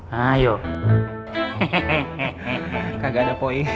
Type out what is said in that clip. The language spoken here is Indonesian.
gak ada poin